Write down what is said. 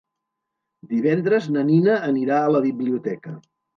Divendres na Nina anirà a la biblioteca.